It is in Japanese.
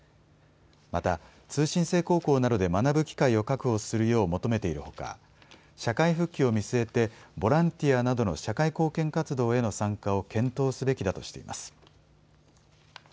また通信制高校などで学ぶ機会を確保するよう求めているほか社会復帰を見据えてボランティアなどの社会貢献活動への参加を検討すべきだとしています。